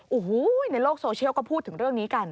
โอ้โหในโลกโซเชียลก็พูดถึงเรื่องนี้กัน